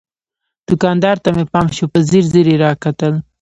دوکاندار ته مې پام شو، په ځیر ځیر یې را کتل.